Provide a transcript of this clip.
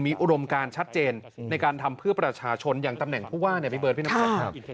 มีอุดมการชัดเจนในการทำเพื่อประชาชนอย่างตำแหน่งผู้ว่าเนี่ยพี่เบิร์พี่น้ำแข็งครับ